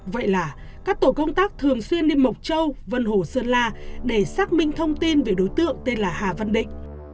vậy là các tổ công tác thường xuyên đi mộc châu vân hồ sơn la để xác minh thông tin về đối tượng tên là hà văn định